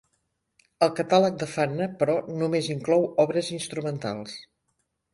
El catàleg de Fanna, però, només inclou obres instrumentals.